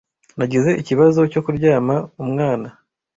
Nagize ikibazo cyo kuryama umwana.